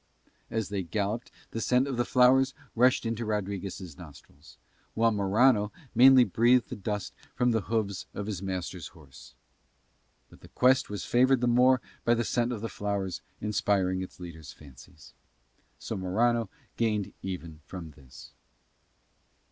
As they galloped the scent of the flowers rushed into Rodriguez' nostrils, while Morano mainly breathed the dust from the hooves of his master's horse. But the quest was favoured the more by the scent of the flowers inspiring its leader's fancies. So Morano gained even from this.